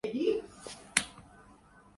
Hindi